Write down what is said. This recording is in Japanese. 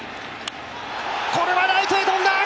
これはライトへ飛んだ。